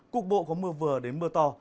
cục bộ có mưa vừa đến mưa to